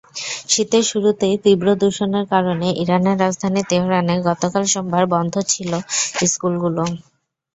শীতের শুরুতেই তীব্র দূষণের কারণে ইরানের রাজধানী তেহরানে গতকাল সোমবার বন্ধ ছিল স্কুলগুলো।